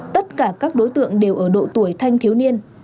tất cả các đối tượng đều ở độ tuổi thanh thiếu niên